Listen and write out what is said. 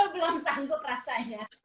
belum sanggup rasanya